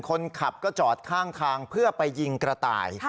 คนขับก็จอดข้างทางเพื่อไปยิงกระต่าย